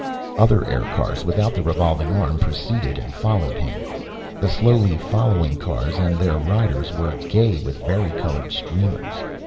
Other aircars, without the revolving arm, preceded and followed him. The slowly floating cars and their riders were gay with varicolored streamers.